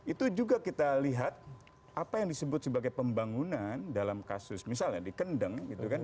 itu juga kita lihat apa yang disebut sebagai pembangunan dalam kasus misalnya di kendeng